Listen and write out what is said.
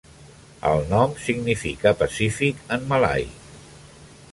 El nom significa "pacífic" en malai.